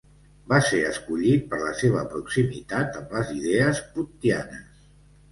Va ser escollit per la seva proximitat amb les idees puttianes.